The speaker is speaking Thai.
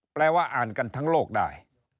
แปลว่าอ่านกันทั้งโลกได้